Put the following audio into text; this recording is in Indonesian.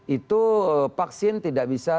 itu vaksin tidak bisa